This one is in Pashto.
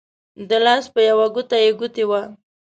د لاس په يوه ګوته يې ګوتې وه